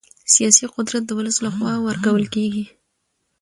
سیاسي قدرت د ولس له خوا ورکول کېږي